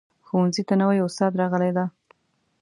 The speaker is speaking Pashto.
ښوونځي ته نوي استاد راغلی ده